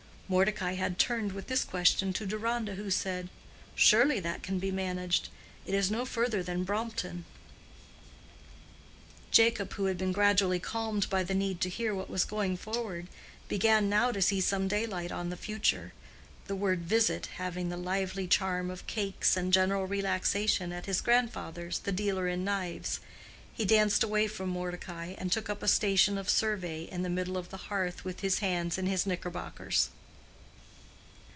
Mordecai had turned with this question to Deronda, who said, "Surely that can be managed. It is no further than Brompton." Jacob, who had been gradually calmed by the need to hear what was going forward, began now to see some daylight on the future, the word "visit" having the lively charm of cakes and general relaxation at his grandfather's, the dealer in knives. He danced away from Mordecai, and took up a station of survey in the middle of the hearth with his hands in his knickerbockers.